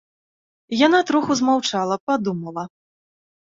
Яна троху змаўчала, падумала.